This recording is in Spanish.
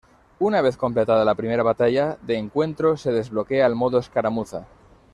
Una vez completada la primera batalla de encuentro se desbloquea el modo escaramuza.